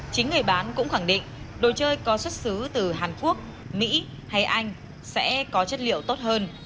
chính người bán cũng khẳng định đồ chơi có xuất xứ từ hàn quốc mỹ hay anh sẽ có chất liệu tốt hơn